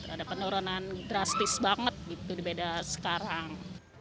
ada penurunan drastis banget gitu dibeda sekarang